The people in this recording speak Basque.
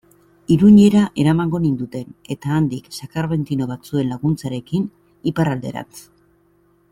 Iruñera eramango ninduten, eta handik, sakramentino batzuen laguntzarekin, Iparralderantz.